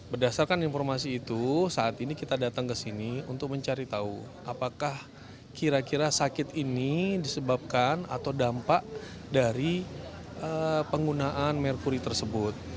berdasarkan informasi itu saat ini kita datang ke sini untuk mencari tahu apakah kira kira sakit ini disebabkan atau dampak dari penggunaan merkuri tersebut